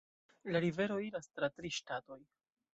La rivero iras tra tri ŝtatoj.